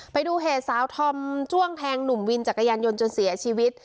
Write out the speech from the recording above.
ไปดูเหตุสาวธอมจ้วงแทงหนุ่มวินจักรยานยนต์จนเสียชีวิต